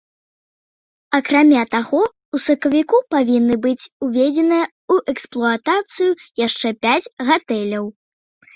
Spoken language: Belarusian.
Акрамя таго, у сакавіку павінны быць уведзеныя ў эксплуатацыю яшчэ пяць гатэляў.